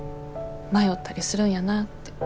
迷ったりするんやなって。